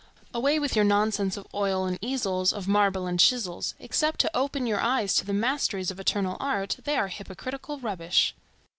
Away with your nonsense of oil and easels, of marble and chisels; except to open your eyes to the masteries of eternal art, they are hypocritical rubbish.